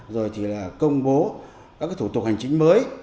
rồi thì là công bố các thủ tục hành chính mới